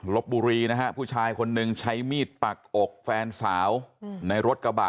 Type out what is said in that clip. ลบบุรีนะฮะผู้ชายคนนึงใช้มีดปักอกแฟนสาวในรถกระบะ